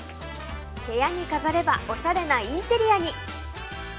部屋に飾ればおしゃれなインテリアに